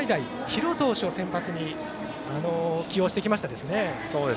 比呂投手を先発に起用してきましたね。